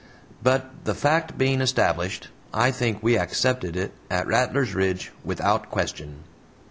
But the fact being established, I think we accepted it at Rattlers Ridge without question.